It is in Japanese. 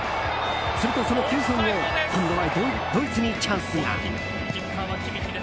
すると、その９分後今度はドイツにチャンスが。